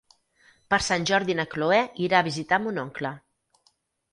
Per Sant Jordi na Cloè irà a visitar mon oncle.